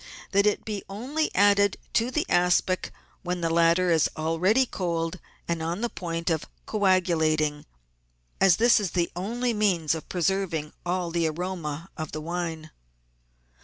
That it be only added to the aspic when the latter is already cold and on the point of coagulating, as this is the only means of preserving all the aroma of the wine.